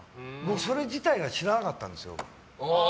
それ自体が知らなかったんですよ